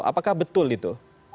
apakah betul itu